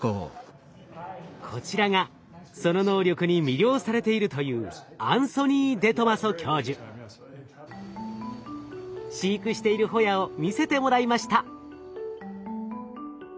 こちらがその能力に魅了されているという飼育しているホヤを見せてもらいました。